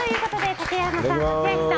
竹山さん、千秋さん